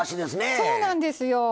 そうなんですよ。